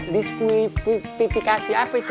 diskualifikasi apa itu